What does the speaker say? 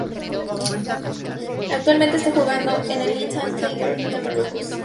Actualmente está jugando en el Ittihad Tanger de Marruecos.